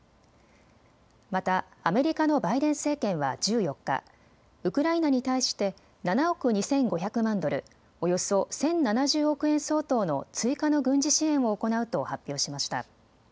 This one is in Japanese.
またアメリカのバイデン政権は１４日、ウクライナに対して７億２５００万ドル、およそ１０７０億円相当の追加の軍事支援を行うと発表しました。